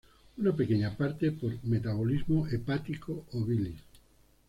Una pequeña parte por metabolismo hepático o bilis.